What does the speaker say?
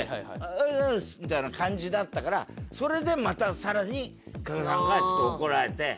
「おはようございます」みたいな感じだったからそれでまたさらに加賀さんがちょっと怒られて。